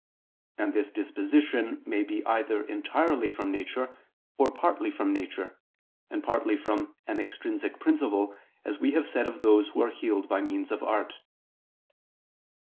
And this disposition may be either entirely from nature, or partly from nature, and partly from an extrinsic principle, as we have said of those who are healed by means of art.